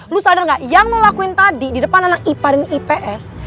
lu sadar gak yang mau lakuin tadi di depan anak ipa dan ips